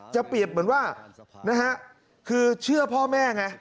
เปรียบเหมือนว่านะฮะคือเชื่อพ่อแม่ไง